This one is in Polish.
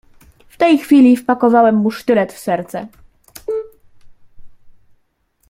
"W tej chwili wpakowałem mu sztylet w serce."